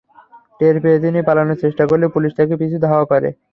টের পেয়ে তিনি পালানোর চেষ্টা করলে পুলিশ তাঁকে পিছু ধাওয়া করে।